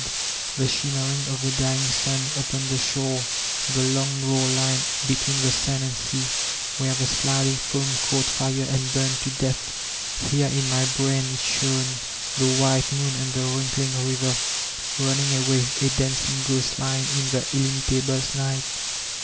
434 VOLTAIRINE DE ClEYSE the shimmering of the dying sun upon the shore, die long gold line between the sand and sea, where the sfid ing foam caught fire and burned to death. Here in my brain it shone, the white moon on the wrinkling river, running away, a dancing ghost line in the illimitable night.